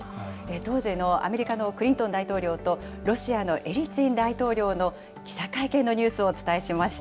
当時のアメリカのクリントン大統領と、ロシアのエリツィン大統領の記者会見のニュースをお伝えしました。